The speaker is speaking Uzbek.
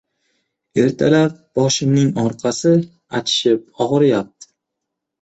Ertalab, «boshimning orqasi achishib og‘riyapti